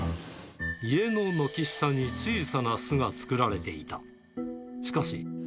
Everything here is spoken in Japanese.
家の軒下に小さな巣が作られていた。